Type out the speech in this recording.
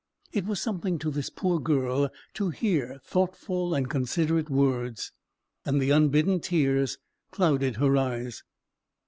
It was something to this poor girl to hear thoughtful and considerate words; and the unbidden tears clouded her eyes.